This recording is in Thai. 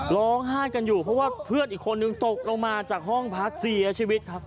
ร้องไห้กันอยู่เพราะว่าเพื่อนอีกคนนึงตกลงมาจากห้องพักเสียชีวิตครับ